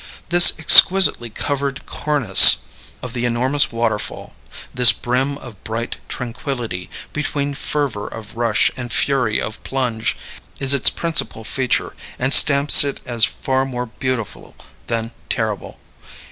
This exquisitely colored cornice of the enormous waterfall this brim of bright tranquillity between fervor of rush and fury of plunge is its principal feature, and stamps it as far more beautiful than terrible.